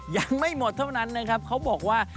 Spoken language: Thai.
ยังไม่หมดเท่านั้นนะครับเขาบอกว่า